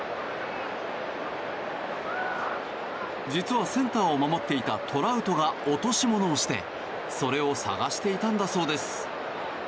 実は、センターを守っていたトラウトが落とし物をしてそれを探していたんだそうです。